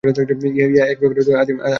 ইহা এক প্রকার আদিম চিকিৎসা-প্রণালী।